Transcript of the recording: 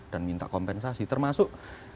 dan minta kompensasi termasuk